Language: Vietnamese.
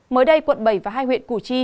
mới đây quận bảy và hai huyện củ chi